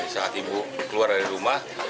saat ibu keluar dari rumah